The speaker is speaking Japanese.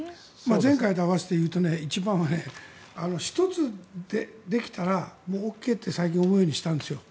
前回と併せていうと一番は、１つできたらＯＫって最近、思うようにしたんですよ。